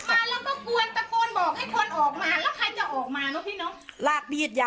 ก็ใครจะออกมาพี่